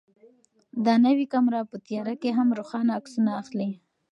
دا نوې کامره په تیاره کې هم روښانه عکسونه اخلي.